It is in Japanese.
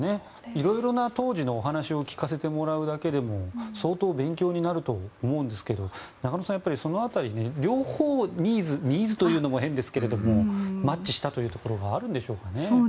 いろいろな当時のお話を聞かせてもらうだけでも相当勉強になると思いますし中野さん、やっぱりその辺り両方ニーズというのも変ですがマッチしたというところがあるんでしょうかね。